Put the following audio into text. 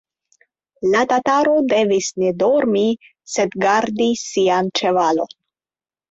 La tataro devis ne dormi, sed gardi sian ĉevalon.